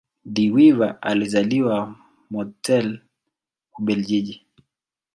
De Wever alizaliwa Mortsel, Ubelgiji.